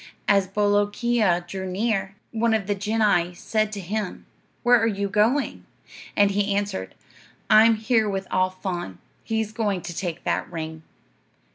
"As Bolookeea drew near, one of the genii said to him 'Where are you going?' And he answered, 'I'm here with Al Faan; he's going to take that ring.'